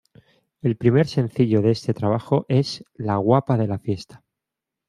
El primer sencillo de este trabajo es "La guapa de la fiesta".